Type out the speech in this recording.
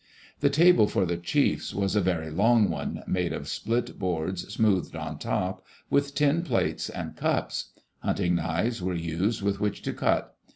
The table for the chiefs was a very long one, made of split boards, smoothed on top, with tin plates and cups. Hunting knives were used with which to cut.